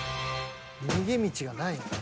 逃げ道がないのよ。